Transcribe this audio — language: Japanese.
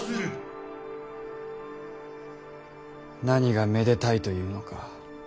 何がめでたいというのか。